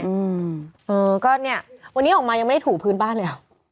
อืมเออก็เนี้ยวันนี้ออกมายังไม่ได้ถูพื้นบ้านเลยอ่ะ